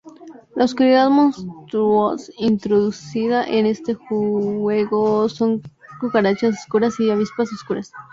La oscuridad monstruos introducido en este juego son cucarachas oscuras y avispas oscuras.